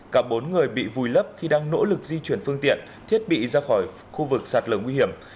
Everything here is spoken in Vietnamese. cả bốn người bị vùi lấp khi đang nỗ lực di chuyển phương tiện thiết bị ra khỏi khu vực sạt lở nguy hiểm